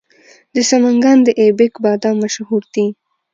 د سمنګان د ایبک بادام مشهور دي.